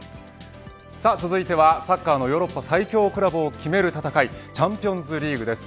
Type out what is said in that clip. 続いては、サッカーのヨーロッパ最強クラブを決める戦いチャンピオンズリーグです。